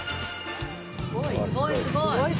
すごいすごい。